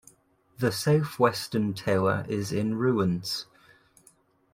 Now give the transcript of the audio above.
The south-western tower is in ruins.